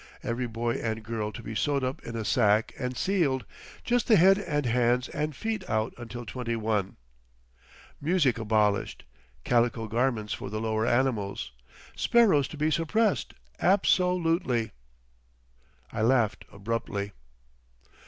Every boy and girl to be sewed up in a sack and sealed, just the head and hands and feet out until twenty one. Music abolished, calico garments for the lower animals! Sparrows to be suppressed—ab so lutely." I laughed abruptly.